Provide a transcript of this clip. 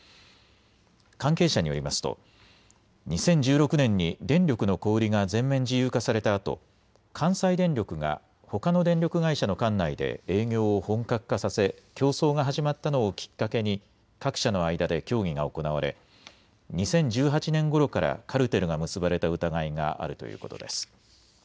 関係者によりますと２０１６年に電力の小売りが全面自由化されたあと関西電力がほかの電力会社の管内で営業を本格化させ競争が始まったのをきっかけに各社の間で協議が行われ２０１８年ごろからカルテルが結ばれた疑いがあるということです。